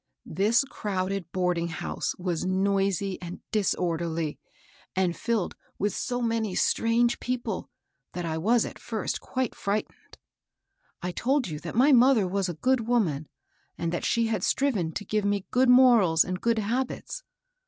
This crowded hoarding house was noisy and disorderly, and filled with so many strange people, that I was at first quite fiightened. I told you that my mother was a good woman, and that she had striven to give me good morals and good habits.